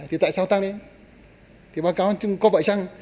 thì tại sao tăng lên thì báo cáo có vậy chăng